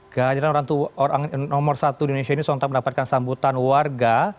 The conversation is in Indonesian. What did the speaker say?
kehadiran orang nomor satu di indonesia ini sontak mendapatkan sambutan warga